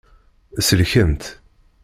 Selkent.